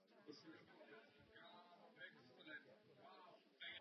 Zadruhé bych chtěl vznést námitku proti přirovnání Rady k mafii.